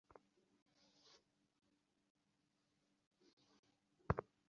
আর আমি ঠাণ্ডা জলে নাবচি না।